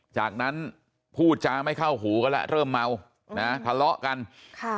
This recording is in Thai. จากนั้นพูดจาไม่เข้าหูกันแล้วเริ่มเมานะทะเลาะกันค่ะ